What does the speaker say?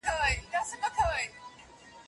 يو ګيلاس له دوو کم دئ.